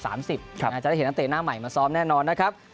จะได้เห็นนักเตะหน้าใหม่มาซ้อมแน่นอนนะครับ